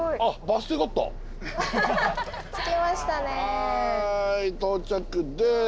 はい到着です。